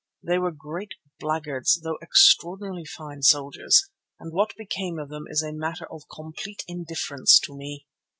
They were great blackguards, though extraordinarily fine soldiers, and what became of them is a matter of complete indifference to me.